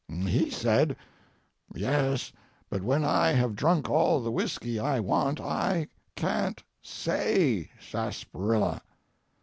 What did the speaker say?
He said, "Yes, but when I have drunk all the whiskey I want I can't say sarsaparilla."